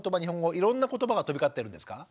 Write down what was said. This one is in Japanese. いろんな言葉が飛び交ってるんですか？